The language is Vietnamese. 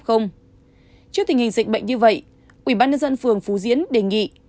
trước tình hình dịch bệnh như vậy ủy ban nhân dân phường phú diễn đề nghị